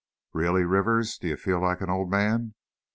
"Really, Rivers, do you feel like an old man?"